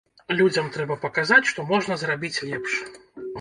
Людзям трэба паказаць, што можна зрабіць лепш.